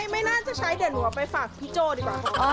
ไม่น่าจะใช้เด่นหัวไปฝากพี่โจ้ดีกว่า